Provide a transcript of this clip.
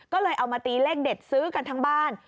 ก็เลยเอามาตีเลขเด็ดซื้อกันทั้งบ้าน